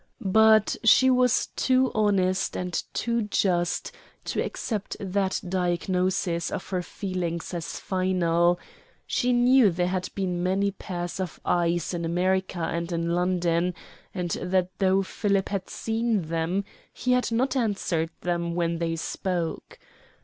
But she was too honest and too just to accept that diagnosis of her feelings as final she knew there had been many pairs of eyes in America and in London, and that though Philip had seen them, he had not answered them when they spoke.